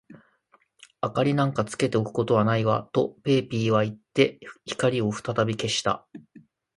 「明りなんかつけておくことはないわ」と、ペーピーはいって、光をふたたび消した。